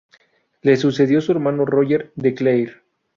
Le sucedió su hermano Roger de Clare.